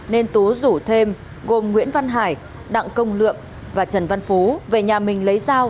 nên tú rủ thêm gồm nguyễn văn hải đặng công lượm và trần văn phú về nhà mình lấy dao